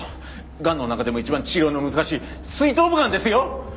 がんの中でも一番治療の難しい膵頭部がんですよ！